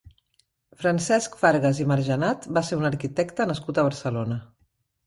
Francesc Fargas i Margenat va ser un arquitecte nascut a Barcelona.